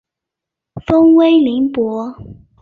封威宁伯。